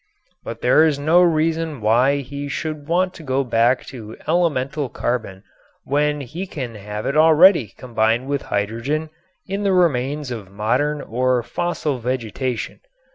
But there is no reason why he should want to go back to elemental carbon when he can have it already combined with hydrogen in the remains of modern or fossil vegetation.